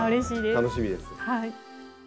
楽しみです。